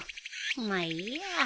まあいいや。